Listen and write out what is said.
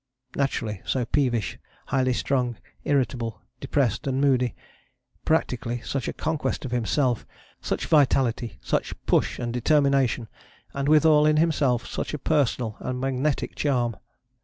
Naturally so peevish, highly strung, irritable, depressed and moody. Practically such a conquest of himself, such vitality, such push and determination, and withal in himself such personal and magnetic charm.